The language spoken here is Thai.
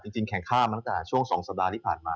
จริงแข่งข้ามมาตั้งแต่ช่วง๒สัปดาห์ที่ผ่านมา